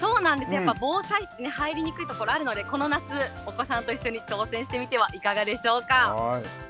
やっぱ、防災って入りにくいところあるので、この夏、お子さんと一緒に挑戦してみてはいかがでしょうか。